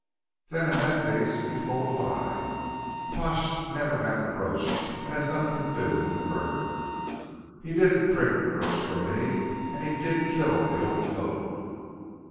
"Then in that case you've told a lie. Pash never had the brooch, and has nothing to do with the murder." "He did prig the brooch from me, and he did kill the ole cove."